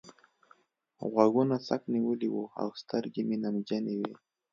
غوږونه څک نيولي وو او سترګې مې نمجنې وې.